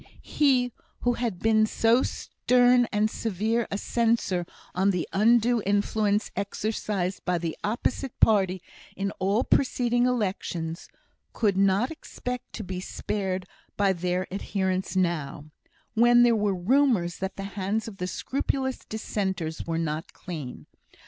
He, who had been so stern and severe a censor on the undue influence exercised by the opposite party in all preceding elections, could not expect to be spared by their adherents now, when there were rumours that the hands of the scrupulous Dissenters were not clean.